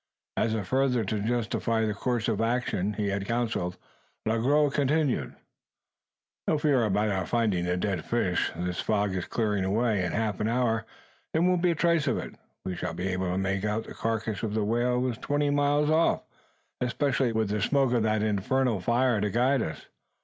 As if further to justify the course of action he had counselled, Le Gros continued "No fear about our finding the dead fish. This fog is clearing away. In half an hour there won't be a trace of it. We shall be able to make out the carcass if the whale twenty miles off, especially with the smoke of that infernal fire to guide us.